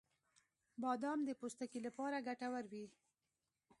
• بادام د پوستکي لپاره ګټور وي.